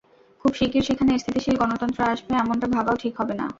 খুব শিগগির সেখানে স্থিতিশীল গণতন্ত্র আসবে, এমনটা ভাবাও ঠিক হবে না।